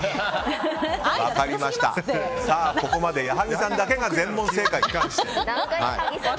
ここまで矢作さんだけが全問正解。